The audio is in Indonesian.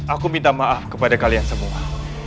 aku minta maaf kepada kalian semua